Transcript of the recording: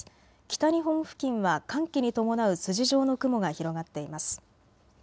北日本付近は寒気に伴う筋状の雲が広がっています。